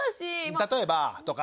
「例えば」とか。